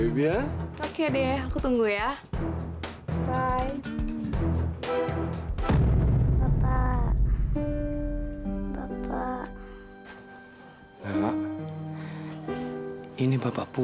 arah arah avete nota sesuatu